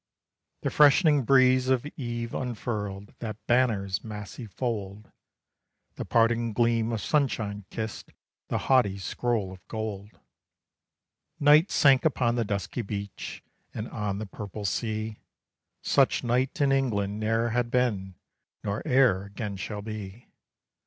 The freshening breeze of eve unfurled that banner's massy fold; The parting gleam of sunshine kissed the haughty scroll of gold; Night sank upon the dusky beach and on the purple sea, Such night in England ne'er had been, nor e'er again shall be.